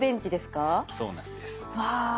そうなんです。わ！